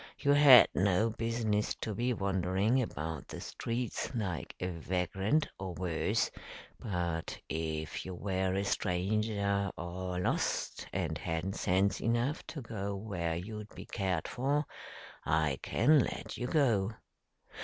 You had no business to be wandering about the streets like a vagrant or worse; but if you were a stranger or lost and hadn't sense enough to go where you'd be cared for, I can let you go."